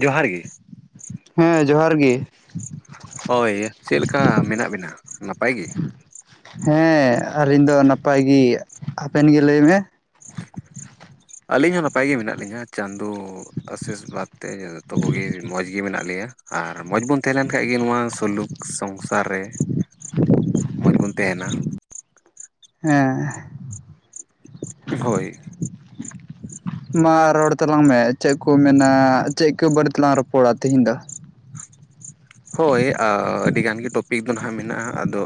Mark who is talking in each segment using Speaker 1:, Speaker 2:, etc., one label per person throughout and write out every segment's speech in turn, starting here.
Speaker 1: ᱡᱚᱦᱟᱨ ᱜᱮ
Speaker 2: ᱦᱮᱸ ᱡᱚᱦᱟᱨ ᱜᱤ
Speaker 1: ᱦᱳᱭ ᱪᱮᱫ ᱞᱮᱠᱟ ᱢᱮᱱᱟᱜ ᱵᱤᱱᱟ ᱱᱟᱯᱟᱭ ᱜᱤ
Speaker 2: ᱦᱮᱸ ᱟᱹᱞᱤᱧ ᱫᱚ ᱱᱟᱯᱟᱭ ᱜᱮ ᱟᱵᱮᱱ ᱜᱮ ᱞᱟᱹᱭ ᱢᱮ
Speaker 1: ᱟᱹᱞᱤᱧ ᱦᱚᱸ ᱱᱟᱯᱟᱭ ᱜᱮ ᱢᱮᱱᱟᱜ ᱞᱤᱧᱟᱹ ᱪᱟᱸᱫᱚ ᱟᱥᱤᱥ ᱵᱟᱫ ᱛᱮ ᱡᱚᱛᱚ ᱠᱚᱜᱮ ᱢᱚᱸᱡᱽ ᱜᱮ ᱢᱮᱱᱟᱜ ᱞᱮᱭᱟ ᱟᱨ ᱢᱚᱡ ᱵᱚᱱ ᱛᱟᱦᱮᱸ ᱞᱮᱱ ᱠᱷᱟᱡ ᱜᱮ ᱱᱚᱣᱟ ᱥᱩᱞᱩᱠ ᱥᱚᱝᱥᱟᱨ ᱨᱮ ᱢᱚᱸᱡᱽ ᱵᱚᱱ ᱛᱟᱦᱮᱱᱟ
Speaker 2: ᱦᱮᱸ
Speaker 1: ᱦᱳᱭ
Speaker 2: ᱢᱟ ᱨᱚᱲ ᱛᱟᱞᱟᱝ ᱢᱮ ᱪᱮᱫ ᱠᱚ ᱢᱮᱱᱟ ᱪᱮᱫ ᱠᱚ ᱵᱟᱨᱮ ᱛᱮᱞᱟᱝ ᱨᱚᱯᱚᱲᱟ ᱛᱮᱦᱮᱧ ᱫᱚ
Speaker 1: ᱦᱳᱭ ᱟᱹᱰᱤᱜᱟᱱ ᱜᱮ ᱴᱚᱯᱤᱠ ᱫᱚ ᱱᱟᱦᱟᱸᱜ ᱢᱮᱱᱟᱜ-ᱟ ᱟᱫᱚ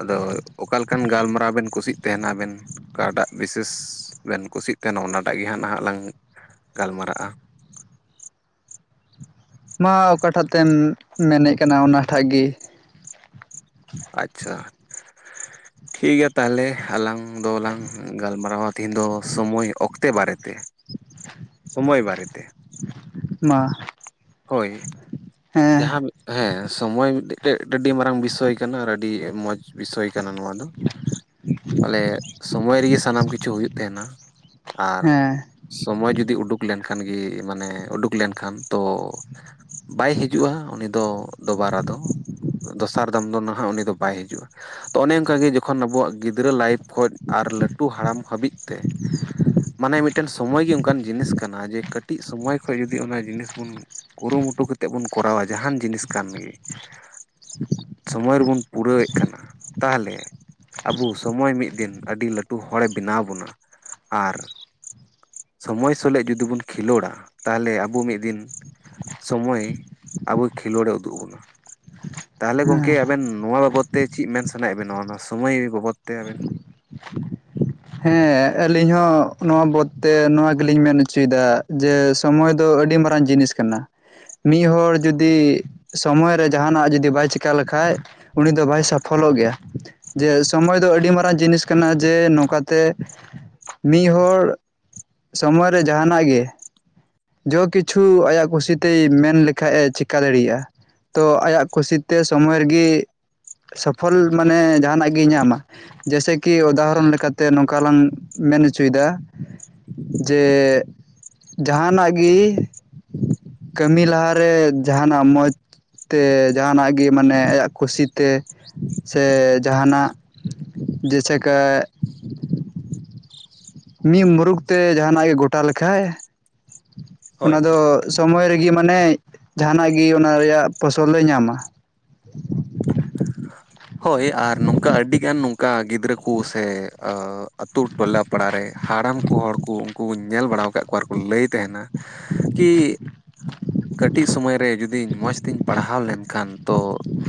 Speaker 1: ᱟᱫᱚ ᱚᱠᱟ ᱞᱮᱠᱟᱱ ᱜᱟᱞᱢᱟᱨᱟᱣ ᱵᱮᱱ ᱠᱩᱥᱤᱜ ᱛᱟᱦᱮᱱᱟ ᱟᱵᱮᱱ ᱚᱠᱟᱴᱟᱜ ᱵᱤᱥᱮᱥ ᱵᱮᱱ ᱠᱩᱥᱤᱜ ᱛᱟᱦᱮᱱᱟ ᱚᱱᱟᱴᱟᱜ ᱜᱮ ᱦᱟᱸᱜ ᱱᱟᱦᱟᱜ ᱞᱟᱝ ᱜᱟᱞᱢᱟᱨᱟᱜ-ᱟ
Speaker 2: ᱢᱟ ᱚᱠᱟᱴᱟᱜ ᱛᱮᱢ ᱢᱮᱱᱮᱫ ᱠᱟᱱᱟ ᱚᱱᱟᱴᱷᱟᱜ ᱜᱤ
Speaker 1: ᱟᱪᱪᱷᱟ ᱴᱷᱤᱠ ᱜᱮᱭᱟ ᱛᱟᱦᱚᱞᱮ ᱟᱞᱟᱝ ᱫᱚᱞᱟᱝ ᱜᱟᱞᱢᱟᱨᱟᱣᱟ ᱛᱮᱦᱮᱧ ᱫᱚ ᱥᱚᱢᱚᱭ ᱚᱠᱛᱮ ᱵᱟᱨᱮ ᱛᱮ ᱥᱚᱢᱚᱭ ᱵᱟᱨᱮ ᱛᱮ
Speaker 2: ᱢᱟ
Speaker 1: ᱦᱳᱭ
Speaker 2: ᱦᱮᱸ
Speaker 1: ᱡᱟᱦᱟᱸ ᱦᱮᱸ ᱥᱚᱢᱚᱭ ᱢᱤᱫᱴᱮᱡ ᱢᱤᱫ ᱟᱹᱰᱤ ᱢᱟᱨᱟᱝ ᱵᱤᱥᱚᱭ ᱠᱟᱱᱟ ᱟᱨ ᱟᱹᱰᱤ ᱢᱚᱡᱽ ᱵᱤᱥᱚᱭ ᱠᱟᱱᱟ ᱱᱚᱣᱟ ᱫᱚ ᱵᱚᱞᱮ ᱥᱚᱢᱚᱭ ᱨᱮᱜᱮ ᱥᱟᱱᱟᱢ ᱠᱤᱪᱷᱩ ᱦᱩᱭᱩᱜ ᱛᱟᱦᱮᱱᱟ ᱟᱨ
Speaker 2: ᱦᱮᱸ
Speaker 1: ᱥᱚᱢᱚᱭ ᱡᱩᱫᱤ ᱩᱰᱩᱠ ᱞᱮᱱᱠᱷᱟᱱ ᱜᱮ ᱢᱟᱱᱮ ᱩᱰᱩᱠ ᱞᱮᱱᱠᱷᱟᱱ ᱛᱚ ᱵᱟᱭ ᱦᱤᱡᱩᱜᱼᱟ ᱩᱱᱤ ᱫᱚ ᱫᱚᱵᱟᱨᱟ ᱫᱚ ᱫᱚᱥᱟᱨ ᱫᱚᱢ ᱫᱚ ᱱᱟᱦᱟᱜ ᱩᱱᱤ ᱫᱚ ᱵᱟᱭ ᱦᱤᱡᱩᱜᱼᱟ ᱛᱚ ᱚᱱᱮ ᱚᱱᱠᱟᱜᱮ ᱡᱚᱠᱷᱚᱱ ᱟᱵᱚᱣᱟᱜ ᱜᱤᱫᱽᱨᱟᱹ ᱞᱟᱭᱤᱯᱷ ᱠᱷᱚᱡ ᱟᱨ ᱞᱟᱹᱴᱩ ᱦᱟᱲᱟᱢ ᱦᱟᱹᱵᱤᱡ ᱛᱮ ᱢᱟᱱᱮ ᱢᱤᱫᱴᱮᱱ ᱥᱚᱢᱚᱭ ᱜᱮ ᱚᱱᱠᱟᱱ ᱡᱤᱱᱤᱥ ᱠᱟᱱᱟ ᱡᱮ ᱠᱟᱹᱴᱤᱡ ᱥᱚᱢᱚᱭ ᱠᱷᱚᱡ ᱡᱚᱫᱤ ᱚᱱᱟ ᱡᱤᱱᱤᱥ ᱵᱩᱱ ᱠᱩᱨᱩᱢᱩᱴᱩ ᱠᱟᱛᱮᱜ ᱵᱚᱱ ᱠᱚᱨᱟᱣᱟ ᱡᱟᱦᱟᱱ ᱡᱤᱱᱤᱥ ᱠᱟᱱ ᱜᱮ ᱥᱚᱢᱚᱭ ᱨᱮᱵᱚᱱ ᱯᱩᱨᱟᱹᱣ ᱮᱫ ᱠᱟᱱᱟ ᱛᱟᱦᱚᱞᱮ ᱟᱵᱚ ᱥᱚᱢᱚᱭ ᱢᱤᱫ ᱫᱤᱱ ᱟᱹᱰᱤ ᱞᱟᱹᱴᱩ ᱦᱚᱲᱮ ᱵᱮᱱᱟᱣ ᱵᱚᱱᱟ ᱟᱨ ᱥᱚᱢᱚᱭ ᱥᱚᱞᱮᱜ ᱡᱩᱫᱤ ᱵᱚᱱ ᱠᱷᱮᱞᱳᱰᱟ ᱛᱟᱦᱚᱞᱮ ᱟᱵᱚ ᱢᱤᱫ ᱫᱤᱱ ᱥᱚᱢᱚᱭ ᱟᱵᱚ ᱠᱷᱮᱞᱳᱰ ᱮ ᱩᱫᱩᱜ ᱟᱵᱚᱱᱟ ᱛᱟᱦᱚᱞᱮ
Speaker 2: ᱦᱮᱸ
Speaker 1: ᱜᱚᱝᱠᱮ ᱟᱵᱮᱱ ᱱᱚᱣᱟ ᱵᱟᱵᱚᱫ ᱛᱮ ᱪᱤᱜ ᱢᱮᱱ ᱥᱟᱱᱟᱭᱮᱜ ᱵᱮᱱᱟ ᱱᱚᱣᱟ ᱱᱚᱣᱟ ᱥᱚᱢᱚᱭ ᱵᱟᱵᱚᱫ ᱛᱮ ᱟᱵᱮᱱ
Speaker 2: ᱦᱮᱸ ᱟᱹᱞᱤᱧ ᱦᱚᱸ ᱱᱚᱣᱟ ᱵᱚᱫ ᱛᱮ ᱱᱚᱣᱟ ᱜᱮᱞᱤᱧ ᱢᱮᱱ ᱚᱪᱚᱭᱮᱫᱟ ᱡᱮ ᱥᱚᱢᱚᱭ ᱫᱚ ᱟᱹᱰᱤ ᱢᱟᱨᱟᱝ ᱡᱤᱱᱤᱥ ᱠᱟᱱᱟ ᱢᱤᱫ ᱦᱚᱲ ᱡᱩᱫᱤ ᱥᱚᱢᱚᱭ ᱨᱮ ᱡᱟᱦᱟᱱᱟᱜ ᱡᱩᱫᱤ ᱵᱟᱭ ᱪᱮᱠᱟ ᱞᱮᱠᱷᱟᱡ ᱩᱱᱤ ᱫᱚ ᱵᱟᱭ ᱥᱟᱯᱷᱚᱞᱚᱜ ᱜᱮᱭᱟ ᱡᱮ ᱥᱚᱢᱚᱭ ᱫᱚ ᱟᱹᱰᱤ ᱢᱟᱨᱟᱝ ᱡᱤᱱᱤᱥ ᱠᱟᱱᱟ ᱡᱮ ᱱᱚᱝᱠᱟ ᱛᱮ ᱢᱤᱫ ᱦᱚᱲ ᱥᱚᱢᱚᱭ ᱨᱮ ᱡᱟᱦᱟᱱᱟᱜ ᱜᱮ ᱡᱚᱛᱚ ᱠᱤᱪᱷᱩ ᱟᱭᱟᱜ ᱠᱩᱥᱤᱛᱮᱭ ᱢᱮᱱ ᱞᱮᱠᱷᱟᱡ ᱮ ᱪᱮᱠᱟ ᱫᱟᱲᱮᱭᱟᱜ-ᱟ ᱛᱚ ᱟᱭᱟᱜ ᱠᱩᱥᱤ ᱛᱮ ᱥᱚᱢᱚᱭ ᱨᱮᱜᱤ ᱥᱚᱯᱷᱚᱞ ᱢᱟᱱᱮ ᱡᱟᱦᱟᱱᱟᱜ ᱜᱮ ᱧᱟᱢᱟ ᱡᱮᱭᱥᱮ ᱠᱤ ᱩᱫᱟᱦᱚᱨᱚᱱ ᱞᱮᱠᱟ ᱛᱮ ᱛᱮ ᱱᱚᱝᱠᱟ ᱞᱟᱝ ᱢᱮᱱ ᱚᱪᱚᱭᱮᱫᱟ ᱡᱮᱻ ᱡᱟᱦᱟᱱᱟᱜ ᱜᱤ ᱠᱟᱹᱢᱤ ᱞᱟᱦᱟ ᱨᱮ ᱡᱟᱦᱟᱱᱟᱜ ᱢᱚᱡᱽ ᱛᱮ ᱡᱟᱦᱟᱱᱟᱜ ᱜᱤ ᱢᱟᱱᱮ ᱟᱭᱟᱜ ᱠᱩᱥᱤ ᱛᱮ ᱥᱮ ᱡᱟᱦᱟᱱᱟᱜ ᱡᱮᱥᱮᱠᱟ ᱢᱤᱫ ᱢᱩᱨᱩᱠᱷ ᱛᱮ ᱡᱟᱦᱟᱱᱟᱜ ᱜᱮ ᱜᱚᱴᱟ ᱞᱮᱠᱷᱟᱡ ᱚᱱᱟ
Speaker 1: ᱦᱳᱭ
Speaker 2: ᱫᱚ ᱥᱚᱢᱚᱭ ᱨᱮᱜᱤ ᱢᱟᱱᱮ ᱡᱟᱦᱟᱱᱟᱜ ᱜᱤ ᱚᱱᱟ ᱨᱮᱭᱟᱜ ᱯᱷᱚᱥᱚᱞ ᱫᱚᱭ ᱧᱟᱢᱟ
Speaker 1: ᱦᱳᱭ ᱟᱨ ᱱᱚᱝᱠᱟ ᱟᱹᱰᱤ ᱜᱟᱱ ᱚᱠᱟ ᱜᱤᱫᱽᱨᱟᱹ ᱠᱩ ᱥᱮ ᱟᱛᱳ ᱴᱚᱞᱟ ᱯᱟᱲᱟ ᱨᱮ ᱦᱟᱲᱟᱢ ᱠᱚ ᱦᱚᱲ ᱠᱩ ᱩᱱᱠᱩ ᱧᱮᱞ ᱵᱟᱲᱟ ᱟᱠᱟᱫ ᱠᱚᱣᱟ ᱠᱟᱨ ᱠᱚ ᱞᱟᱹᱭ ᱛᱟᱦᱮᱱᱟ ᱠᱤ ᱠᱟᱹᱴᱤᱡ ᱥᱚᱢᱚᱭ ᱨᱮ ᱡᱩᱫᱤ ᱢᱚᱡᱽ ᱛᱤᱧ ᱯᱟᱲᱦᱟᱣ ᱞᱮᱱᱠᱷᱟᱱ ᱛᱚ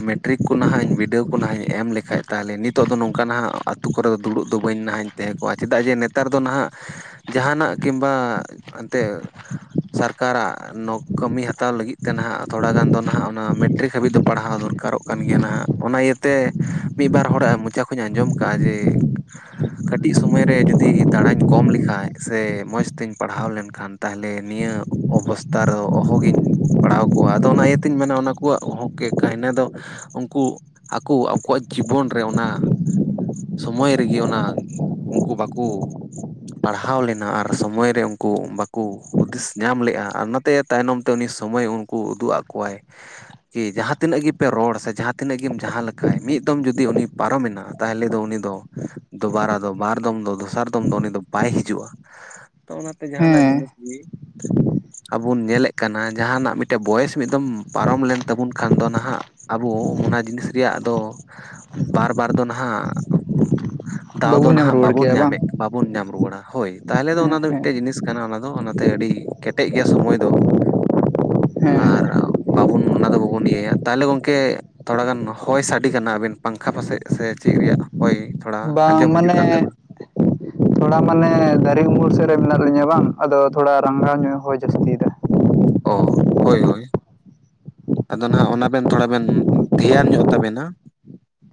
Speaker 1: ᱢᱮᱴᱨᱤᱠ ᱠᱚ ᱱᱟᱦᱟᱜ ᱵᱤᱰᱟᱹᱣ ᱠᱚ ᱱᱟᱦᱟᱜ ᱤᱧ ᱮᱢ ᱞᱮᱠᱷᱟᱡ ᱛᱟᱦᱚᱞᱮ ᱱᱤᱛᱚᱜ ᱫᱚ ᱱᱚᱝᱠᱟ ᱱᱟᱦᱟᱜ ᱟᱛᱳ ᱠᱚᱨᱮ ᱫᱚ ᱫᱩᱲᱩᱵ ᱫᱚ ᱵᱟᱹᱧ ᱱᱟᱦᱟᱜ ᱤᱧ ᱛᱟᱦᱮᱸ ᱠᱚᱜᱼᱟ ᱪᱮᱫᱟᱜ ᱡᱮ ᱱᱮᱛᱟᱨ ᱫᱚ ᱱᱟᱦᱟᱜ ᱡᱟᱦᱟᱱᱟᱜ ᱠᱤᱢᱵᱟ ᱮᱱᱛᱮᱫ ᱥᱚᱨᱠᱟᱨᱟᱜ ᱱᱚ ᱠᱟᱹᱢᱤ ᱦᱟᱛᱟᱣ ᱞᱟᱹᱜᱤᱫ ᱛᱮ ᱱᱟᱦᱟᱜ ᱛᱷᱚᱲᱟ ᱜᱟᱱ ᱫᱚ ᱱᱟᱦᱟᱜ ᱚᱱᱟ ᱢᱮᱴᱨᱤᱠ ᱦᱟᱹᱵᱤᱡ ᱫᱚ ᱯᱟᱲᱦᱟᱣ ᱫᱚᱨᱠᱟᱨᱚᱜ ᱠᱟᱱ ᱜᱮᱭᱟ ᱱᱟᱦᱟᱜ ᱚᱱᱟ ᱤᱭᱟᱹᱛᱮ ᱢᱤᱫ ᱵᱟᱨ ᱦᱚᱲᱟᱜ ᱢᱚᱪᱟ ᱠᱷᱚᱱ ᱤᱧ ᱟᱸᱡᱚᱢ ᱠᱟᱜᱼᱟ ᱡᱮ ᱠᱟᱹᱴᱤᱡ ᱥᱚᱢᱚᱭ ᱨᱮ ᱡᱩᱫᱤ ᱫᱟᱬᱟᱧ ᱠᱚᱢ ᱞᱮᱠᱷᱟᱡ ᱥᱮ ᱢᱚᱸᱡᱽ ᱛᱤᱧ ᱯᱟᱲᱦᱟᱣ ᱞᱮᱱᱠᱷᱟᱱ ᱛᱟᱦᱚᱞᱮ ᱱᱤᱭᱟᱹ ᱚᱵᱚᱥᱛᱟ ᱨᱮᱦᱚ ᱚᱦᱚᱜᱤᱧ ᱯᱟᱲᱦᱟᱣ ᱠᱚᱜᱼᱟ ᱟᱫᱚ ᱚᱱᱟ ᱤᱭᱟᱹᱛᱤᱧ ᱢᱮᱱᱟ ᱚᱱᱟ ᱠᱚᱣᱟᱜ ᱠᱟᱹᱦᱱᱤ ᱫᱚ ᱩᱱᱠᱩ ᱟᱠᱚ ᱟᱠᱚᱣᱟᱜ ᱡᱤᱵᱚᱱ ᱨᱮ ᱚᱱᱟ᱾ ᱥᱚᱢᱚᱭ ᱨᱮᱜᱤ ᱚᱱᱟ ᱩᱱᱠᱩ ᱵᱟᱠᱩ ᱯᱟᱲᱦᱟᱣ ᱞᱮᱱᱟ ᱟᱨ ᱥᱚᱢᱚᱭ ᱨᱮ ᱩᱱᱠᱩ ᱵᱟᱠᱩ ᱦᱩᱫᱤᱥ ᱧᱟᱢ ᱞᱮᱜᱼᱟ ᱟᱨ ᱚᱱᱟᱛᱮ ᱛᱟᱭᱱᱚᱢ ᱛᱮ ᱩᱱᱤ ᱥᱚᱢᱚᱭ ᱩᱱᱠᱩ ᱩᱫᱩᱜ ᱟᱜ ᱠᱚᱣᱟᱭ ᱠᱤ ᱡᱟᱦᱟᱸ ᱛᱤᱱᱟᱹᱜ ᱜᱮᱯᱮ ᱨᱚᱲ ᱥᱮ ᱡᱟᱦᱟᱸᱛᱤᱱᱟᱹᱜ ᱜᱮᱢ ᱡᱟᱦᱟᱸ ᱞᱮᱠᱟᱭ ᱢᱤᱫ ᱫᱚᱢ ᱡᱩᱫᱤ ᱩᱱᱤ ᱯᱟᱨᱚᱢᱮ ᱮᱱᱟ ᱛᱟᱦᱚᱞᱮ ᱫᱚ ᱩᱱᱤ ᱫᱚ ᱫᱚᱵᱟᱨᱟ ᱫᱚ ᱵᱟᱨ ᱫᱚᱢ ᱫᱚ ᱫᱚᱥᱟᱨ ᱫᱚᱢ ᱫᱚ ᱩᱱᱤ ᱫᱚ ᱵᱟᱭ ᱦᱤᱡᱩᱜᱼᱟ ᱛᱚ ᱚᱱᱟᱛᱮ ᱡᱟᱦᱟᱸ ᱱᱟᱜ
Speaker 2: ᱦᱮᱸ
Speaker 1: ᱡᱤᱱᱤᱥ ᱜᱤ ᱵᱚᱱ ᱧᱮᱞᱮᱜ ᱠᱟᱱᱟ ᱡᱟᱦᱟᱱᱟᱜ ᱢᱤᱫᱴᱮᱱ ᱵᱚᱭᱮᱥ ᱢᱤᱫ ᱫᱚᱢ ᱯᱟᱨᱚᱢ ᱞᱮᱱ ᱛᱟᱵᱚᱱ ᱠᱷᱟᱱ ᱫᱚ ᱱᱟᱦᱟᱜ ᱟᱵᱚ ᱚᱱᱟ ᱡᱤᱱᱤᱥ ᱨᱮᱭᱟᱜ ᱫᱚ ᱵᱟᱨ ᱵᱟᱨ ᱫᱚ ᱱᱟᱦᱟᱜ ᱫᱟᱣ ᱫᱚ
Speaker 2: ᱵᱟᱵᱚᱱ ᱧᱟᱢ
Speaker 1: ᱱᱟᱦᱟᱜ
Speaker 2: ᱨᱩᱣᱟᱹᱲ
Speaker 1: ᱵᱟᱵᱚᱱ
Speaker 2: ᱠᱮᱭᱟ ᱵᱟᱝ
Speaker 1: ᱧᱟᱢᱮᱜ ᱵᱟᱵᱚᱱ ᱧᱟᱢ ᱨᱩᱣᱟᱹᱲᱟ ᱦᱳᱭ ᱛᱟᱦᱚᱞᱮ ᱫᱚ
Speaker 2: ᱦᱮᱸ
Speaker 1: ᱚᱱᱟ ᱫᱚ
Speaker 2: ᱦᱮᱸ
Speaker 1: ᱢᱤᱫᱴᱮᱡ ᱡᱤᱱᱤᱥ ᱠᱟᱱᱟ ᱚᱱᱟ ᱫᱚ ᱚᱱᱟᱛᱮ ᱟᱹᱰᱤ ᱠᱮᱴᱮᱡ ᱜᱮᱭᱟ ᱥᱚᱢᱚᱭ ᱫᱚ ᱟᱨ
Speaker 2: ᱦᱮᱸ
Speaker 1: ᱵᱟᱵᱩᱱ ᱚᱱᱟ ᱫᱚ ᱵᱟᱵᱩᱱ ᱤᱭᱟᱹᱭᱟ ᱛᱟᱦᱚᱞᱮ ᱜᱚᱝᱠᱮ ᱛᱷᱚᱲᱟ ᱜᱟᱱ ᱦᱚᱭ ᱥᱟᱰᱮ ᱠᱟᱱᱟ ᱟᱹᱵᱮᱱ ᱯᱟᱝᱠᱷᱟ ᱯᱟᱥᱮᱡ ᱥᱮ ᱪᱮᱫ ᱨᱮᱭᱟᱜ ᱦᱚᱭ ᱛᱷᱚᱲᱟ
Speaker 2: ᱵᱟᱝ
Speaker 1: ᱟᱸᱡᱚᱢ ᱦᱤᱡᱩᱜ ᱠᱟᱱ ᱛᱟᱢᱟ
Speaker 2: ᱢᱟᱱᱮ ᱛᱷᱚᱲᱟ ᱢᱟᱱᱮ ᱫᱟᱨᱮ ᱩᱢᱩᱞ ᱥᱮᱫ ᱨᱮ ᱢᱮᱱᱟᱜ ᱞᱤᱧᱟᱹ ᱵᱟᱝ ᱟᱫᱚ ᱛᱷᱚᱲᱟ ᱨᱟᱸᱜᱟᱣ ᱧᱚᱜ ᱦᱚᱸᱭ ᱡᱟᱹᱥᱛᱤᱭᱮᱫᱟ
Speaker 1: ᱚ ᱦᱳᱭ ᱦᱳᱭ ᱟᱫᱚ ᱱᱟᱦᱜ ᱚᱱᱟ ᱵᱮᱱ ᱛᱷᱚᱲᱟ ᱵᱮᱱ ᱫᱷᱮᱭᱟᱱ ᱧᱚᱜ ᱛᱟᱵᱮᱱᱟ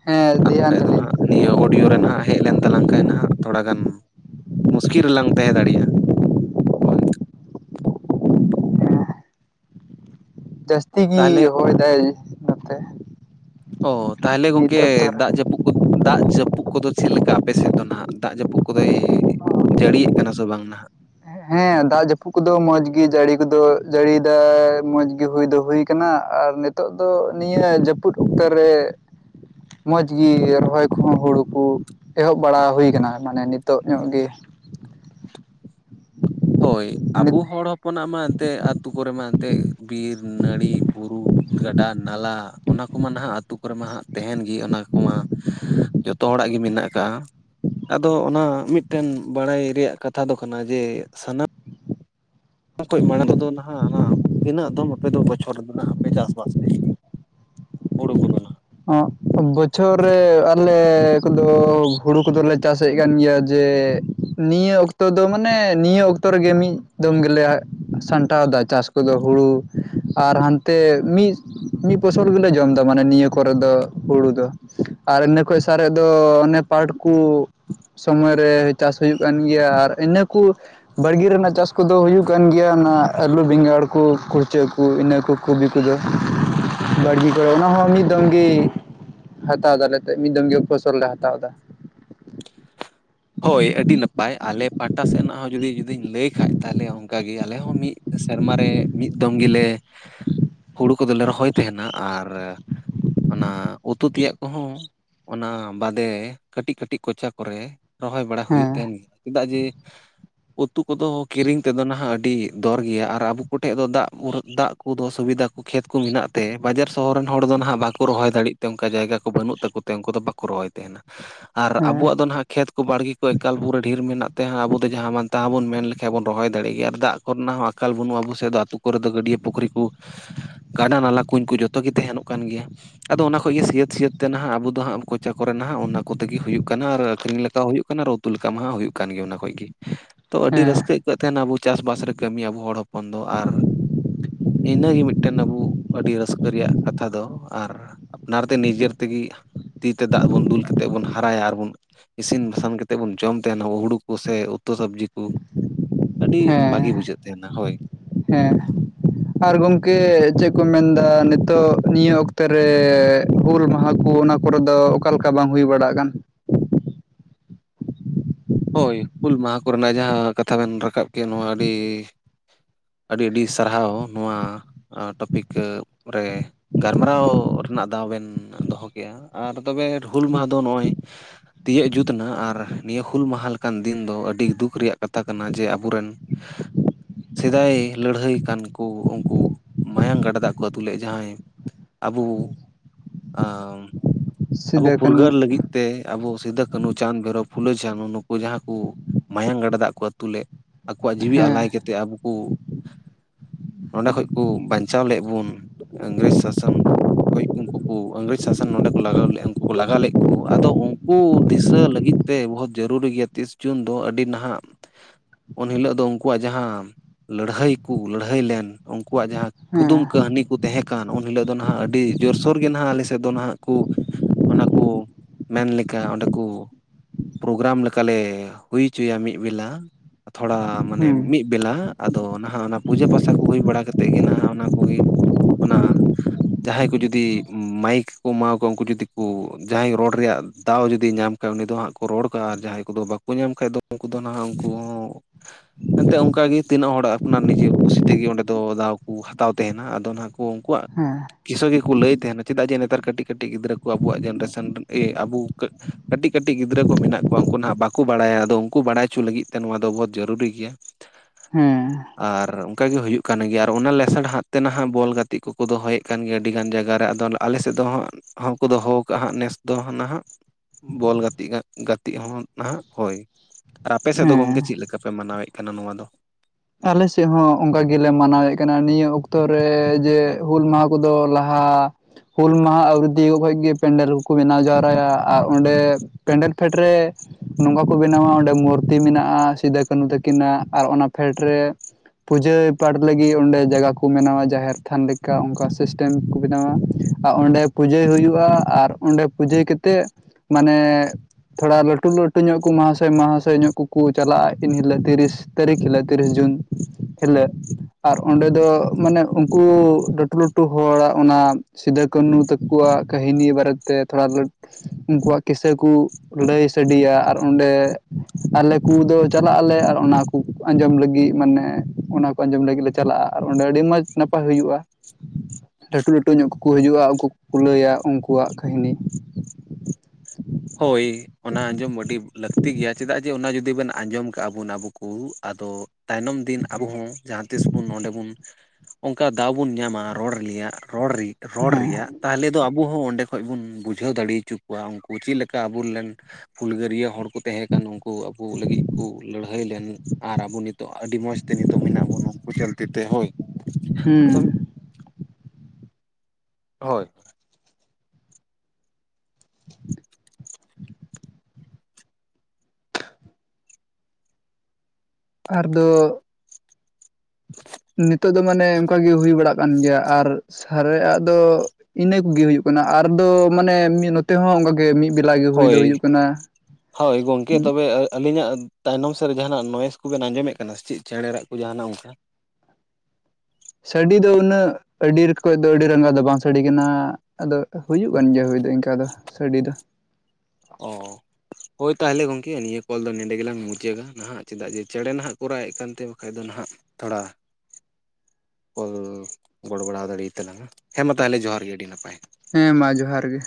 Speaker 2: ᱦᱮᱸ
Speaker 1: ᱟᱨ
Speaker 2: ᱫᱷᱮᱭᱟᱱ
Speaker 1: ᱵᱟᱠᱷᱟᱡ ᱫᱚ ᱱᱟᱜ
Speaker 2: ᱫᱟᱞᱤᱧ
Speaker 1: ᱱᱤᱭᱟᱹ ᱚᱰᱤᱭᱳ ᱨᱮ ᱱᱟᱜ ᱦᱮᱡ ᱞᱮᱱ ᱛᱟᱞᱟᱝ ᱠᱷᱟᱱᱡ ᱱᱟᱜ ᱛᱷᱚᱲᱟ ᱜᱟᱱ ᱢᱩᱥᱠᱤᱞ ᱨᱮᱞᱟᱝ ᱛᱟᱦᱮᱸ ᱫᱟᱲᱮᱭᱟᱜᱼᱟ ᱦᱳᱭ
Speaker 2: ᱡᱟᱹᱥᱛᱤ ᱜᱮ
Speaker 1: ᱛᱟᱦᱚᱞᱮ
Speaker 2: ᱦᱚᱭ ᱫᱟᱭ ᱱᱚᱛᱮ
Speaker 1: ᱚᱸ ᱛᱟᱦᱞᱮ
Speaker 2: ᱱᱤᱛ
Speaker 1: ᱜᱚᱝᱠᱮ
Speaker 2: ᱚᱠᱛᱚ ᱨᱮ
Speaker 1: ᱫᱟᱜ ᱡᱟᱹᱯᱩᱫ ᱠᱚ ᱫᱟᱜ ᱡᱟᱹᱯᱩᱫ ᱠᱚᱫᱚ ᱪᱮᱫ ᱞᱮᱠᱟ ᱟᱯᱮ ᱥᱮᱫ ᱫᱚ ᱱᱟᱜ ᱫᱟᱜ ᱡᱟᱹᱯᱩᱫ ᱠᱚᱫᱚᱭ ᱡᱟᱹᱲᱤᱭ ᱮᱫ ᱠᱟᱱᱟ ᱥᱮ ᱵᱟᱝ ᱱᱟᱦᱜ
Speaker 2: ᱦᱮᱸ ᱫᱟᱜ ᱡᱟᱹᱯᱩᱫ ᱠᱚᱫᱚ ᱢᱚᱸᱡᱽ ᱜᱮ ᱡᱟᱹᱲᱤ ᱠᱚᱫᱚ ᱡᱟᱹᱲᱤ [unintelligible] ᱢᱚᱸᱡᱽ ᱜᱮ ᱦᱩᱭ ᱫᱚ ᱦᱩᱭ ᱠᱟᱱᱟ ᱟᱨ ᱱᱤᱛᱚᱜ ᱫᱚ ᱱᱤᱭᱟᱹ ᱡᱟᱹᱯᱩᱫ ᱚᱠᱛᱚ ᱨᱮ ᱢᱚᱸᱡᱽ ᱜᱮ ᱨᱚᱦᱚᱭ ᱠᱚᱦᱚᱸ ᱦᱩᱲᱩ ᱠᱚ ᱮᱦᱚᱵ ᱵᱟᱲᱟ ᱦᱩᱭ ᱟᱠᱟᱱᱟ ᱢᱟᱱᱮ ᱱᱤᱛᱚᱜ ᱧᱚᱜ ᱜᱮ
Speaker 1: ᱦᱳᱭ
Speaker 2: ᱱᱤᱛ
Speaker 1: ᱟᱵᱚ ᱦᱚᱲ ᱦᱚᱯᱚᱱᱟᱜ ᱢᱟ ᱮᱱᱛᱮᱫ ᱟᱛᱳ ᱠᱚᱨᱮ ᱢᱟ ᱮᱱᱛᱮᱫ ᱵᱤᱨ ᱱᱟᱹᱲᱤ ᱵᱩᱨᱩ ᱜᱟᱰᱟ ᱱᱟᱞᱟ ᱚᱱᱟ ᱠᱚᱢᱟ ᱱᱟᱜ ᱟᱹᱛᱩ ᱠᱚᱨᱮ ᱢᱟ ᱦᱟᱸᱜ ᱛᱟᱦᱮᱱ ᱜᱮ ᱚᱱᱟ ᱠᱚᱢᱟ ᱡᱚᱛᱚ ᱦᱚᱲᱟᱜ ᱜᱮ ᱢᱮᱱᱟᱜ ᱟᱠᱟᱜᱼᱟ ᱟᱫᱚ ᱚᱱᱟ ᱢᱤᱫ ᱴᱮᱱ ᱵᱟᱲᱟᱭ ᱨᱮᱭᱟᱜ ᱠᱟᱛᱷᱟ ᱫᱚ ᱠᱟᱱᱟ ᱡᱮ [inaudible] [unintelligible] ᱛᱤᱱᱟᱹᱜ ᱫᱚᱢ ᱟᱯᱮ ᱫᱚ ᱵᱚᱪᱷᱚᱨ ᱫᱚ ᱱᱟᱜ ᱯᱮ ᱪᱟᱥ ᱵᱟᱥ ᱛᱟᱦᱮᱸᱫ [unintelligible] ᱠᱚᱫᱚ ᱱᱟᱸᱜ
Speaker 2: ᱚᱸᱜ ᱵᱚᱪᱷᱚᱨ ᱨᱮ ᱟᱞᱮ ᱠᱚᱫᱚ ᱦᱩᱲᱩ ᱠᱚᱫᱚᱞᱮ ᱪᱟᱥ ᱮᱫ ᱠᱟᱱ ᱜᱮᱭᱟ ᱡᱮ ᱱᱤᱭᱟᱹ ᱚᱠᱛᱚ ᱫᱚ ᱢᱟᱱᱮ ᱱᱤᱭᱟᱹ ᱚᱠᱛᱚ ᱨᱮᱜᱮ ᱢᱤᱫ ᱫᱚᱢ ᱜᱮᱞᱮ ᱥᱟᱢᱴᱟᱣ ᱫᱟ ᱪᱟᱥ ᱠᱚᱫᱚ ᱦᱩᱲᱩ ᱟᱨ ᱦᱟᱱᱛᱮ ᱢᱤᱫ ᱢᱤᱫ ᱯᱚᱥᱚᱞ ᱜᱮᱞᱮ ᱡᱚᱢ ᱫᱟ ᱢᱟᱱᱮ ᱱᱤᱭᱟᱹ ᱠᱚᱨᱮ ᱫᱚ ᱦᱩᱲᱩ ᱫᱚ ᱟᱨ ᱤᱱᱟᱹ ᱠᱷᱚᱡ ᱥᱟᱨᱮᱡ ᱫᱚ ᱚᱱᱮ ᱯᱟᱴ ᱠᱩᱸ ᱥᱚᱢᱚᱭ ᱨᱮ ᱪᱟᱥ ᱦᱩᱭᱩᱜ ᱠᱟᱱ ᱜᱮᱭᱟ ᱟᱨ ᱤᱱᱟᱹ ᱠᱩᱸ ᱵᱟᱲᱜᱮ ᱨᱮᱱᱟᱜ ᱪᱟᱥ ᱠᱚᱫᱚ ᱦᱩᱭᱩᱜ ᱠᱟᱱ ᱜᱮᱭᱟ ᱱᱟᱸᱜ ᱟᱹᱞᱩ ᱵᱮᱸᱜᱟᱲ ᱠᱚ ᱠᱩᱪᱟᱹ ᱤᱱᱟᱹ ᱠᱚ [unintelligible] ᱠᱚᱫᱚ ᱵᱟᱲᱜᱮ ᱠᱚ ᱚᱱᱟ ᱦᱚᱸ ᱢᱤᱫ ᱢᱤᱫ ᱫᱚᱢ ᱜᱮ ᱦᱟᱛᱟᱣ ᱫᱟᱞᱮ ᱢᱤᱫ ᱫᱚᱢ ᱜᱮ ᱩᱯᱟᱹᱥᱚᱞ ᱞᱮ ᱦᱟᱛᱟᱣ ᱮᱫᱟ
Speaker 1: ᱦᱳᱭ ᱟᱹᱰᱤ ᱱᱟᱯᱟᱭ ᱟᱞᱮ ᱯᱟᱦᱴᱟ ᱥᱮᱫᱱᱟᱜ ᱦᱚᱸ ᱡᱩᱫᱤ ᱡᱩᱫᱤᱧ ᱞᱟᱹᱭ ᱠᱷᱟᱱᱡ ᱛᱟᱦᱞᱮ ᱚᱱᱠᱟ ᱜᱮ ᱟᱞᱮ ᱦᱚᱸ ᱢᱤᱫ ᱥᱮᱨᱢᱟ ᱨᱮ ᱢᱤᱫ ᱫᱚᱢ ᱜᱮᱞᱮ ᱦᱩᱲᱩ ᱠᱚᱫᱚᱞᱮ ᱨᱚᱦᱚᱭ ᱛᱟᱦᱮᱱᱟ ᱟᱨ ᱚᱱᱟ ᱩᱛᱩ ᱛᱮᱭᱟᱜ ᱠᱚᱦᱚᱸ ᱚᱱᱟ ᱵᱟᱫᱮ ᱠᱟᱹᱴᱤᱡ ᱠᱟᱹᱴᱤᱡ ᱠᱚᱪᱟ ᱠᱚᱨᱮ ᱨᱚᱦᱚᱭ ᱵᱟᱲᱟ ᱦᱩᱭᱩᱜ
Speaker 2: ᱦᱮᱸ
Speaker 1: ᱛᱟᱦᱮᱱ ᱜᱮᱭᱟ ᱪᱮᱫᱟᱜ ᱡᱮ ᱩᱛᱩ ᱠᱚᱫᱚ ᱠᱤᱨᱤᱧ ᱛᱮᱫᱚ ᱱᱟᱸᱜ ᱟᱹᱰᱤ ᱫᱚᱨ ᱜᱮᱭᱟ ᱟᱨ ᱟᱵᱚ ᱠᱚᱴᱷᱮᱱ ᱫᱚ ᱫᱟᱜ ᱫᱟᱜ [unintelligible] ᱫᱚ ᱥᱩᱵᱤᱫᱟ ᱠᱚ ᱠᱷᱮᱛ ᱠᱚ ᱢᱮᱱᱟᱜ ᱛᱮ ᱵᱟᱡᱟᱨ ᱥᱚᱦᱚᱨ ᱨᱮᱱ ᱦᱚᱲ ᱫᱚ ᱱᱟᱸᱜ ᱵᱟᱠᱚ ᱨᱚᱦᱚᱭ ᱫᱟᱲᱮᱜ ᱛᱮ ᱚᱱᱠᱟ ᱡᱟᱭᱜᱟ ᱠᱚ ᱵᱟᱹᱱᱩᱜ ᱛᱟᱠᱚ ᱛᱮ ᱩᱱᱠᱩ ᱫᱚ ᱵᱟᱠᱚ ᱨᱚᱦᱚᱭ ᱛᱟᱦᱮᱱᱟ ᱟᱨ
Speaker 2: ᱦᱮᱸ
Speaker 1: ᱟᱵᱚᱣᱟᱜ ᱫᱚ ᱱᱟᱸᱜ ᱠᱷᱮᱛ ᱠᱚ ᱵᱟᱲᱮ ᱠᱚ ᱮᱠᱟᱞ ᱯᱩᱨᱮ ᱰᱷᱮᱨ ᱢᱮᱱᱟᱜ ᱛᱮ ᱟᱵᱚ ᱫᱚ ᱡᱟᱦᱟᱸ ᱢᱟᱱ ᱛᱟᱦᱟᱸ ᱵᱚᱱ ᱢᱮᱱ ᱞᱮᱠᱷᱟᱡ ᱵᱚᱱ ᱨᱚᱦᱚᱭ ᱫᱟᱲᱮᱜ ᱜᱮᱭᱟ ᱫᱟᱜ [unintelligible] ᱟᱠᱟᱞ ᱵᱟᱹᱱᱩᱜᱼᱟ ᱟᱵᱚ ᱥᱮᱫ ᱫᱚ ᱟᱛᱳ ᱠᱚᱨᱮ ᱫᱚ ᱜᱟᱹᱰᱭᱟᱹ ᱯᱩᱠᱷᱨᱤ ᱠᱩᱸ ᱜᱟᱰᱟ ᱱᱟᱞᱟ ᱠᱩᱧ ᱠᱚ ᱡᱚᱛᱚ ᱜᱮ ᱛᱟᱦᱮᱱᱚᱜ ᱠᱟᱱ ᱜᱮᱭᱟ ᱟᱫᱚ ᱚᱱᱟ ᱠᱷᱚᱡ ᱜᱮ ᱥᱤᱭᱟᱹᱛ ᱥᱤᱭᱟᱹᱛ ᱛᱮ ᱱᱟᱸᱦᱜ ᱟᱵᱚ ᱫᱚ ᱦᱟᱸᱜ ᱠᱚᱪᱟ ᱠᱚᱨᱮ ᱦᱟᱸᱜ ᱚᱱᱟ ᱠᱚ ᱛᱮᱜᱮ ᱦᱩᱭᱩᱜ ᱠᱟᱱᱟ ᱟᱨ ᱟᱹᱷᱨᱤᱧ ᱞᱮᱠᱟ ᱦᱩᱭᱩᱜ ᱠᱟᱱᱟ ᱟᱨ ᱩᱛᱩ ᱞᱮᱠᱟ ᱢᱟᱦᱟ ᱦᱩᱭᱩᱜ ᱠᱟᱱ ᱜᱮ ᱚᱱᱟ ᱠᱷᱚᱡ ᱜᱮ ᱛᱚ ᱟᱹᱰᱤ
Speaker 2: ᱦᱮᱸ
Speaker 1: ᱨᱟᱹᱥᱠᱟᱹ ᱟᱹᱭᱠᱟᱹᱜ ᱛᱟᱦᱮᱱᱟ ᱟᱵᱚ ᱪᱟᱥ ᱵᱟᱥ ᱨᱮ ᱠᱟᱹᱢ ᱟᱵᱚ ᱦᱚᱲ ᱦᱚᱯᱚᱱ ᱫᱚ ᱟᱨ ᱤᱱᱟᱹ ᱜᱮ ᱢᱤᱫ ᱴᱮᱱ ᱟᱵᱚ ᱟᱹᱰᱤ ᱨᱟᱹᱥᱠᱟᱹ ᱨᱮᱭᱟᱜ ᱠᱟᱛᱷᱟ ᱫᱚ ᱟᱨ ᱟᱯᱱᱟᱨ ᱛᱮ ᱱᱤᱡᱮᱨ ᱛᱮᱜᱮ ᱛᱤ ᱛᱮ ᱫᱟᱜ ᱵᱚᱱ ᱫᱩᱞ ᱠᱟᱛᱮᱫ ᱵᱚᱱ ᱦᱟᱨᱟᱭᱟ ᱟᱨ ᱵᱚᱱ ᱤᱥᱤᱱ ᱵᱟᱥᱟᱝ ᱠᱟᱛᱮᱫ ᱵᱚᱱ ᱡᱚᱢ ᱛᱟᱦᱮᱱᱟ ᱦᱩᱲᱩ ᱠᱚ ᱥᱮ ᱩᱛᱩ ᱥᱚᱵᱽᱡᱤ ᱟᱹᱰᱤ
Speaker 2: ᱦᱮᱸ
Speaker 1: ᱵᱷᱟᱹᱜᱮ ᱵᱩᱡᱷᱟᱹᱜ ᱛᱟᱦᱮᱱᱟ ᱦᱳᱭ
Speaker 2: ᱦᱮᱸ ᱟᱨ ᱜᱚᱝᱠᱮ ᱪᱮᱫ ᱠᱚ ᱢᱮᱱᱫᱟ ᱱᱤᱛᱚᱜ ᱱᱤᱭᱟᱹ ᱚᱠᱛᱮ ᱨᱮ ᱦᱩᱞ ᱢᱟᱦᱟ ᱠᱚ ᱚᱱᱟ [unintelligible] ᱫᱚ ᱚᱠᱟ ᱞᱮᱠᱟ ᱵᱟᱝ ᱦᱩᱭ ᱵᱟᱲᱟᱜ ᱠᱟᱱ
Speaker 1: ᱦᱳᱭ ᱦᱩᱞ ᱢᱟᱦᱟ ᱠᱚᱨᱮᱱᱟᱜ ᱡᱟᱦᱟᱸ ᱠᱟᱛᱷᱟ ᱵᱮᱱ ᱨᱟᱠᱟᱵ ᱠᱮᱜ-ᱟ ᱱᱚᱣᱟ ᱟᱹᱰᱤ ᱟᱹᱰᱤ ᱟᱹᱰᱤ ᱥᱟᱨᱦᱟᱣ ᱱᱚᱣᱟ ᱴᱚᱯᱤᱠ ᱨᱮ ᱜᱟᱞᱢᱟᱨᱟᱣ ᱨᱮᱱᱟᱜ ᱫᱟᱣ ᱵᱮᱱ ᱫᱚᱦᱚ ᱠᱮᱜᱼᱟ ᱟᱨ ᱛᱚᱵᱮ ᱦᱩᱞ ᱢᱟᱦᱟ ᱫᱚ ᱱᱚᱜᱼᱚᱭ ᱛᱤᱭᱟᱹᱜ ᱡᱩᱛ ᱱᱟ ᱟᱨ ᱱᱤᱭᱟᱹ ᱦᱩᱞ ᱢᱟᱦᱟ ᱞᱮᱠᱟᱱ ᱫᱤᱱ ᱫᱚ ᱟᱹᱰᱤ ᱫᱩᱠ ᱨᱮᱭᱟᱜ ᱠᱟᱛᱷᱟ ᱠᱟᱱᱟ ᱡᱮ ᱟᱵᱚᱨ ᱨᱮᱱ ᱥᱮᱫᱟᱭ ᱞᱟᱹᱲᱦᱟᱹᱭ ᱠᱟᱱ ᱠᱩ ᱩᱱᱠᱩ ᱢᱟᱭᱟᱝ ᱜᱟᱰᱟ ᱫᱟᱜ ᱠᱩ ᱟᱹᱛᱩ ᱞᱮᱫᱼᱟ ᱡᱟᱦᱟᱸᱭ ᱟᱵᱩ ᱟᱸᱻ ᱟᱵᱩ
Speaker 2: ᱥᱤᱫᱟᱹ ᱠᱟᱹᱱᱦᱩ
Speaker 1: ᱯᱷᱩᱨᱜᱟᱹᱞ ᱞᱟᱹᱜᱤᱫ᱾ ᱛᱮ ᱟᱵᱚ ᱥᱤᱫᱟᱹᱠᱟᱹᱱᱩ ᱪᱟᱸᱫᱽ ᱵᱷᱳᱭᱨᱳᱯ ᱯᱷᱩᱞᱟᱹᱪᱟᱱᱩ ᱱᱩᱠᱩ ᱡᱟᱦᱟᱸ ᱠᱚ ᱢᱟᱭᱟᱝ ᱜᱟᱰᱟ ᱫᱟᱜ ᱠᱚ ᱟᱛᱩ ᱞᱮᱫ, ᱟᱠᱚᱣᱟᱜ ᱡᱤᱣᱤ
Speaker 2: ᱦᱮᱸ
Speaker 1: ᱟᱞᱟᱭ ᱠᱟᱛᱮᱫ ᱟᱵᱚ ᱠᱩ ᱚᱸᱰᱮ ᱠᱷᱚᱡ ᱠᱚ ᱵᱟᱧᱪᱟᱣ ᱞᱮᱫ ᱵᱚᱱ ᱤᱝᱨᱮᱡᱽ ᱥᱟᱥᱟᱱ ᱠᱷᱩᱡ ᱩᱱᱠᱩ ᱠᱚ ᱤᱝᱨᱮᱹᱡᱽ ᱥᱟᱥᱟᱱ ᱱᱚᱸᱰᱮ ᱠᱚ ᱞᱟᱜᱟᱣ ᱞᱮᱜᱼᱟ, ᱩᱱᱠᱩ ᱠᱚ ᱞᱟᱜᱟ ᱞᱮᱫ ᱠᱚ ᱟᱫᱚ ᱩᱱᱠᱩ ᱫᱤᱥᱟᱹ ᱞᱟᱹᱜᱤᱫ ᱛᱮ ᱵᱚᱦᱩᱛ ᱡᱟᱹᱨᱩᱨᱤ ᱜᱮᱭᱟ ᱛᱤᱥ ᱡᱩᱱ ᱫᱚ ᱟᱹᱰᱤ ᱱᱟᱦᱟᱜ ᱩᱱ ᱦᱤᱞᱳᱜ ᱫᱚ ᱩᱱᱠᱩ ᱣᱟᱜ ᱡᱟᱦᱟᱸ ᱞᱟᱹᱲᱦᱟᱹᱭ ᱠᱚ ᱞᱟᱹᱲᱦᱟᱹᱭ ᱞᱮᱱ ᱩᱱᱠᱩᱣᱟᱜ ᱡᱟᱦᱟᱸ
Speaker 2: ᱦᱮᱸ
Speaker 1: ᱠᱩᱫᱩᱢ ᱠᱟᱹᱦᱱᱤ ᱠᱩ ᱛᱟᱦᱮᱸ ᱠᱟᱱ ᱩᱱ ᱦᱤᱞᱚᱜ ᱫᱚ ᱱᱷᱟᱜ ᱟᱹᱰᱤ ᱡᱳᱨᱥᱳᱨ ᱜᱮ ᱱᱷᱟᱜ ᱟᱞᱮ ᱥᱮᱫ ᱫᱚ ᱱᱷᱟᱜ ᱠᱩ ᱚᱱᱟ ᱠᱚ ᱢᱮᱱ ᱞᱮᱠᱟ ᱚᱸᱰᱮ ᱠᱚ ᱯᱨᱳᱜᱨᱟᱢ ᱞᱮᱠᱟ ᱞᱮ ᱦᱩᱭ ᱦᱚᱪᱚᱭᱟ ᱢᱤᱫ ᱵᱮᱞᱟ ᱛᱷᱚᱲᱟ ᱢᱟᱱᱮ
Speaker 2: ᱦᱩᱸ
Speaker 1: ᱢᱤᱫ ᱵᱮᱞᱟ ᱟᱫᱚ ᱱᱷᱟᱜ ᱚᱱᱟ ᱯᱩᱡᱟᱹ ᱯᱟᱥᱟ ᱠᱚ ᱦᱩᱭ ᱵᱟᱲᱟ ᱠᱟᱛᱮᱫ ᱜᱮ ᱱᱷᱟᱜ ᱚᱱᱟ ᱠᱚᱜᱮ ᱚᱱᱟ ᱡᱟᱦᱟᱸᱭ ᱠᱚ ᱡᱩᱫᱤ ᱢᱟᱭᱤᱠ ᱠᱚ ᱮᱢᱟᱠᱚᱣᱟ ᱩᱱᱠᱩ ᱡᱩᱫᱤ ᱡᱟᱦᱟᱸᱭ ᱨᱚᱲ ᱨᱮᱭᱟᱜ ᱫᱟᱣ ᱡᱩᱫᱤ ᱧᱟᱢ ᱠᱷᱟᱡ ᱩᱱᱤ ᱫᱚ ᱦᱟᱸᱜ ᱠᱚ ᱨᱚᱲ ᱠᱟᱜᱼᱟ ᱡᱟᱦᱟᱸᱭ ᱠᱚᱫᱚ ᱵᱟᱠᱚ ᱧᱟᱢ ᱠᱷᱟᱡ ᱫᱚ ᱩᱱᱠᱩ ᱫᱚ ᱱᱟᱦᱟᱜ ᱩᱱᱠᱩ ᱮᱱᱛᱮ ᱚᱱᱠᱟᱜᱮ ᱛᱤᱱᱟᱹᱜ ᱦᱚᱲᱟᱜ ᱟᱯᱱᱟᱨ ᱱᱤᱡᱮ ᱠᱩᱥᱤ ᱛᱮᱜᱮ ᱚᱸᱰᱮ ᱫᱚ ᱫᱟᱣ ᱠᱩ ᱦᱟᱛᱟᱣ ᱛᱟᱦᱮᱱᱟ᱾ ᱟᱫᱚ ᱱᱷᱟᱜ ᱩᱱᱠᱩᱣᱟᱜ
Speaker 2: ᱦᱮᱸ
Speaker 1: ᱠᱤᱥᱟᱹ ᱜᱮᱠᱚ ᱞᱟᱹᱭ ᱛᱟᱦᱮᱱᱟ ᱪᱮᱫᱟᱜ ᱡᱮ ᱱᱮᱛᱟᱨ ᱠᱟᱹᱴᱤᱡ ᱠᱟᱹᱴᱤᱡ ᱜᱤᱫᱽᱨᱟᱹ ᱠᱚ ᱟᱵᱩ ᱣᱟᱜ ᱡᱮᱱᱨᱮᱥᱮᱱ ᱮ ᱟᱵᱩ ᱠᱟᱹᱜ ᱠᱟᱹᱴᱤᱡ ᱠᱟᱹᱴᱤᱡ ᱜᱤᱫᱽᱨᱟᱹ ᱠᱚ ᱢᱮᱱᱟᱜ ᱠᱚᱣᱟ ᱩᱱᱠᱩ ᱱᱟᱦᱟᱜ ᱵᱟᱠᱚ ᱵᱟᱲᱟᱭᱟ ᱟᱫᱚ ᱩᱱᱠᱩ ᱵᱟᱲᱟᱭ ᱦᱚᱪᱚ ᱞᱟᱹᱜᱤᱫ ᱛᱮ ᱱᱚᱣᱟ ᱵᱚᱦᱩᱛ ᱡᱟᱹᱨᱩᱨᱤ ᱜᱮᱭᱟ [inaudible]
Speaker 2: ᱦᱮᱸ
Speaker 1: ᱟᱨ ᱚᱱᱠᱟ ᱜᱮ ᱦᱩᱭᱩᱜ ᱠᱟᱱ ᱜᱮᱭᱟ ᱟᱨ ᱚᱱᱟ ᱞᱮᱥᱟᱲ ᱦᱟᱛ ᱛᱮ ᱱᱟᱦᱟᱜ ᱵᱚᱞ ᱜᱟᱛᱮᱜ ᱠᱚᱠᱚ ᱫᱚᱦᱚᱭᱮᱫ ᱠᱟᱱ ᱜᱮᱭᱟ ᱟᱹᱰᱤᱜᱟᱱ ᱡᱟᱭᱜᱟ ᱨᱮ ᱟᱫᱚ ᱟᱞᱮ ᱥᱮᱫ ᱫᱚ ᱦᱟᱜ ᱦᱚᱸᱠᱚ ᱫᱚᱦᱚ ᱠᱟᱜᱼᱟ ᱦᱟᱸᱜ ᱱᱮᱥ ᱫᱚ ᱱᱟᱜ ᱵᱚᱞ ᱜᱟᱛᱮᱜ ᱜᱟᱛᱮᱜ ᱦᱚᱸ ᱱᱷᱟᱜ ᱦᱳᱭ᱾ ᱟᱨ ᱟᱯᱮ ᱥᱮᱫ ᱫᱚ
Speaker 2: ᱦᱮᱸ
Speaker 1: ᱜᱚᱝᱠᱮ ᱪᱮᱫ ᱞᱮᱠᱟ ᱯᱮ ᱢᱟᱱᱟᱣᱮᱫ ᱠᱟᱱᱟ ᱱᱚᱣᱟ ᱫᱚ,
Speaker 2: ᱟᱞᱮ ᱥᱮᱫ ᱦᱚᱸ ᱚᱱᱠᱟ ᱜᱮᱞᱮ ᱢᱟᱱᱟᱣᱮᱫ ᱠᱟᱱᱟ᱾ ᱱᱤᱭᱟᱹ ᱚᱠᱛᱚ ᱨᱮ ᱡᱮ ᱦᱩᱞ ᱢᱟᱦᱟ ᱠᱚᱫᱚ ᱞᱟᱦᱟ ᱦᱩᱞ ᱢᱟᱦᱟ ᱟᱹᱣᱨᱤ ᱫᱤᱭᱳ ᱠᱷᱚᱡ ᱜᱮ ᱯᱮᱱᱰᱮᱞ ᱠᱚᱠᱚ ᱵᱮᱱᱟᱣ ᱡᱟᱣᱨᱟᱭᱟ ᱟᱨ ᱚᱸᱰᱮ ᱯᱮᱱᱰᱮᱞ ᱯᱷᱮᱰ ᱨᱮ ᱱᱚᱝᱠᱟ ᱠᱚ ᱵᱮᱱᱟᱣᱟ ᱚᱸᱰᱮ ᱢᱩᱨᱛᱤ ᱢᱮᱱᱟᱜᱼᱟ ᱥᱤᱫᱟᱹ ᱠᱟᱹᱱᱦᱩ ᱛᱟᱹᱠᱤᱱᱟᱜ ᱟᱨ ᱚᱱᱟ ᱯᱷᱮᱰ ᱨᱮ ᱯᱩᱡᱟᱹᱭ ᱯᱟᱴ ᱞᱟᱹᱜᱤᱫ ᱚᱸᱰᱮ ᱡᱟᱜᱟ ᱠᱚ ᱵᱮᱱᱟᱣᱟ ᱡᱟᱦᱮᱨ ᱛᱷᱟᱱ ᱞᱮᱠᱟ ᱚᱱᱠᱟ ᱥᱤᱥᱴᱮᱢ ᱠᱚ ᱵᱮᱱᱟᱣᱟ᱾ ᱟᱨ ᱚᱸᱰᱮ ᱯᱩᱡᱟᱹᱭ ᱦᱩᱭᱩᱜᱼᱟ ᱟᱨ ᱚᱸᱰᱮ ᱯᱩᱡᱟᱹᱭ ᱠᱟᱛᱮᱫ ᱢᱟᱱᱮ ᱛᱷᱚᱲᱟ ᱞᱟᱹᱴᱩ ᱞᱟᱹᱴᱩ ᱧᱚᱜ ᱠᱚ ᱢᱟᱦᱟᱥᱮ ᱢᱟᱦᱟᱥᱮ ᱧᱚᱜ ᱠᱚᱠᱚ ᱪᱟᱞᱟᱜᱼᱟ ᱤᱱᱦᱤᱞᱟᱹᱜ ᱛᱤᱨᱤᱥ ᱛᱟᱹᱨᱤᱠᱷ ᱦᱤᱞᱟᱹᱜ ᱛᱤᱨᱤᱥ ᱡᱩᱱ ᱦᱤᱞᱟᱹᱜ᱾ ᱟᱨ ᱚᱸᱰᱮ ᱫᱚ ᱢᱟᱱᱮ ᱩᱱᱠᱩ ᱞᱟᱹᱴᱩ ᱞᱟᱹᱴᱩ ᱦᱚᱲᱟᱜ ᱚᱱᱟ ᱥᱤᱫᱟᱹ ᱠᱟᱹᱱᱩ ᱛᱟᱠᱚᱣᱟᱜ ᱠᱟᱹᱦᱤᱱᱤ ᱵᱟᱨᱮᱛᱮ ᱛᱷᱚᱲᱟ ᱞᱟᱹᱴ, ᱩᱱᱠᱩᱣᱟᱜ ᱠᱮᱥᱟᱹ ᱠᱩ ᱞᱟᱹᱭ ᱥᱟᱰᱮᱭᱟ ᱟᱨ ᱚᱸᱰᱮ ᱟᱞᱮ ᱠᱩ ᱫᱚ ᱪᱟᱞᱟᱜ ᱟᱞᱮ ᱟᱨ ᱚᱱᱟ ᱠᱩ ᱟᱸᱡᱚᱢ ᱞᱟᱹᱜᱤᱫ ᱢᱟᱱᱮ ᱚᱱᱟ ᱠᱚ ᱟᱸᱡᱚᱢ ᱞᱟᱹᱜᱤᱫ ᱞᱮ ᱪᱟᱞᱟᱜᱼᱟ ᱟᱨ ᱚᱸᱰᱮ ᱟᱹᱰᱤ ᱢᱚᱸᱡᱽ ᱱᱟᱯᱟᱭ ᱦᱩᱭᱩᱜᱼᱟ᱾ ᱞᱟᱹᱴᱩ ᱞᱟᱹᱴᱩ ᱧᱚᱜ ᱠᱩᱠᱩ ᱦᱤᱡᱩᱜᱼᱟ ᱩᱱᱠᱩ ᱠᱩᱠᱚ ᱞᱟᱹᱭᱟ ᱩᱱᱠᱩᱣᱟᱜ ᱠᱟᱹᱦᱱᱤ᱾
Speaker 1: ᱦᱳᱭ ᱚᱱᱟ ᱟᱸᱡᱚᱢ ᱟᱹᱰᱤ ᱞᱟᱹᱠᱛᱤ ᱜᱮᱭᱟ ᱪᱮᱫᱟᱜ ᱡᱮ ᱚᱱᱟ ᱡᱩᱫᱤ ᱵᱱ ᱟᱸᱡᱚᱢ ᱠᱟᱜᱼᱟ ᱵᱚᱱ ᱟᱵᱚ ᱠᱚ ᱟᱫᱚ ᱛᱟᱭᱱᱚᱢ ᱫᱤᱱ ᱟᱵᱚ ᱦᱚᱸ ᱡᱟᱦᱟᱸ ᱛᱤᱥ ᱵᱚᱱ ᱱᱚᱸᱰᱮ ᱵᱚᱱ ᱚᱱᱠᱟ ᱫᱟᱣ ᱵᱚᱱ ᱧᱟᱢᱟ ᱨᱚᱲ ᱞᱮᱭᱟᱜ ᱨᱮᱲᱨᱮ ᱨᱚᱲ
Speaker 2: ᱦᱮᱸ
Speaker 1: ᱨᱮᱭᱟᱜ ᱛᱟᱦᱚᱞᱮ ᱫᱚ ᱟᱵᱚ ᱦᱚᱸ ᱚᱸᱰᱮ ᱠᱷᱚᱡ ᱵᱚᱱ ᱵᱩᱡᱷᱟᱹᱣ ᱫᱟᱲᱮ ᱦᱚᱪᱚ ᱠᱚᱣᱟ ᱩᱱᱠᱩ ᱪᱮᱫ ᱞᱮᱠᱟ᱾ ᱠᱟ ᱟᱵᱚᱨ ᱞᱮᱱ ᱦᱩᱞᱜᱟᱹᱨᱭᱟᱹ ᱦᱚᱲ ᱠᱚ ᱛᱮᱦᱮᱸ ᱠᱟᱱ ᱩᱱᱠᱩ ᱟᱵᱚ ᱞᱟᱹᱜᱤᱫ ᱠᱚ ᱞᱟᱹᱲᱟᱹ ᱦᱟᱹᱭ ᱞᱮᱱ ᱟᱨ ᱟᱵᱚ ᱱᱤᱛᱚᱜ ᱟᱹᱰᱤ ᱢᱚᱸᱡᱽ ᱛᱮ ᱱᱤᱛᱚᱜ ᱢᱮᱱᱟᱜ ᱵᱚ ᱱᱩᱠᱩ ᱪᱟᱹᱞᱛᱤ ᱛᱮ ᱦᱳᱭ᱾
Speaker 2: ᱦᱚᱸ
Speaker 1: ᱦᱳᱭ᱾
Speaker 2: ᱟᱨᱫᱚ
Speaker 1: [inaudible]
Speaker 2: ᱱᱤᱛᱚᱜ ᱫᱚ ᱢᱟᱱᱮ ᱚᱱᱠᱟ ᱜᱮ ᱦᱩᱭ ᱵᱟᱲᱟᱜ ᱠᱟᱱ ᱜᱮᱭᱟ ᱟᱨ ᱥᱟᱨᱮᱡ ᱟᱜ ᱫᱚ ᱤᱱᱟᱹ ᱠᱚᱜᱮ ᱦᱩᱭᱩᱜ ᱠᱟᱱᱟ ᱟᱨᱫᱚ ᱢᱟᱱᱮ ᱢᱤᱫ ᱱᱚᱛᱮ ᱱᱤᱛᱚᱜ ᱦᱚᱸ ᱚᱱᱠᱟ ᱜᱮ ᱢᱤᱫ ᱵᱮᱞᱟ ᱜᱮ ᱦᱩᱭ ᱫᱚ
Speaker 1: ᱦᱳᱭ
Speaker 2: ᱦᱩᱭᱩᱜ ᱠᱟᱱᱟ
Speaker 1: ᱦᱳᱭ ᱜᱚᱝᱠᱮ ᱛᱚᱵᱮ ᱟᱹᱞᱤᱧᱟᱜ ᱛᱟᱭᱱᱚᱢ ᱥᱮᱫ ᱨᱮ ᱡᱟᱦᱱᱟᱜ ᱱᱚᱭᱮᱥ ᱠᱚᱵᱮᱱ ᱟᱸᱡᱚᱢᱮᱫ ᱠᱟᱱᱟ ᱪᱮᱫ ᱪᱮᱬᱮ ᱨᱟᱜ? ᱡᱟᱦᱟᱱᱟᱜ ᱚᱱᱠᱟ?
Speaker 2: ᱥᱟᱰᱤ ᱫᱚ ᱩᱱᱟᱹᱜ ᱟᱹᱰᱤ ᱚᱠᱚᱡ ᱫᱚ ᱟᱹᱰᱤ ᱨᱟᱸᱜᱟᱣ ᱫᱚ ᱵᱟᱝ ᱥᱟᱰᱤ ᱠᱟᱱᱟ ᱟᱫᱚ ᱦᱩᱭᱩᱜ ᱠᱟᱱ ᱜᱮᱭᱟ ᱦᱩᱭ ᱫᱚ ᱤᱱᱠᱟᱹ ᱫᱚ ᱥᱟᱰᱤ ᱫᱚ
Speaker 1: ᱚ ᱦᱳᱭ ᱛᱟᱦᱚᱞᱮ ᱜᱚᱝᱠᱮ ᱱᱤᱭᱟᱹ ᱠᱚᱞ ᱫᱚ ᱱᱚᱸᱰᱮ ᱜᱮᱞᱟᱝ ᱢᱩᱪᱟᱹᱜᱟ ᱱᱟᱦᱟᱜ, ᱪᱮᱫᱟᱜ ᱡᱮ ᱪᱮᱬᱮ ᱱᱟᱦᱟᱜ ᱠᱚ ᱨᱟᱜᱮᱫ ᱠᱟᱱᱛᱮ ᱵᱟᱠᱷᱟᱡ ᱫᱚ ᱱᱟᱦᱟᱜ ᱛᱷᱚᱲᱟ ᱚᱞ ᱜᱚᱲᱚ ᱵᱟᱲᱟᱣ ᱫᱟᱲᱮᱭᱟ ᱛᱟᱞᱟᱝᱟ ᱦᱮᱸ ᱢᱟ ᱛᱟᱦᱚᱞᱮ ᱡᱚᱦᱟᱨ ᱜᱮ ᱟᱹᱰᱤ ᱱᱟᱯᱟᱭ
Speaker 2: ᱦᱮᱸ ᱢᱟ ᱡᱚᱦᱟᱨ ᱜᱮ